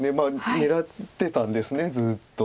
狙ってたんですずっと。